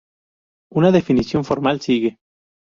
Una definición formal sigue.